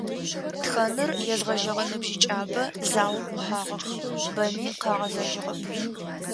Тхэныр езгъэжьэгъэ ныбжьыкӏабэ заом ӏухьагъэх, бэми къагъэзэжьыгъэп.